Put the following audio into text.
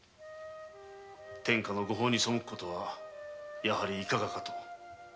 天下の御法に背くことはやはりいかがかと。